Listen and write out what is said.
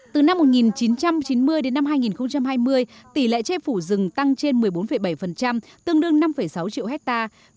từ năm một nghìn chín trăm chín mươi đến năm hai nghìn hai mươi tỷ lệ che phủ rừng tăng trên một mươi bốn bảy tương đương năm sáu triệu hectare